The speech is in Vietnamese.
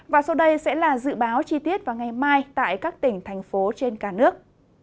và sau đây sẽ là dự báo chi tiết vào ngày mai tại các tỉnh thành phố trên cả nước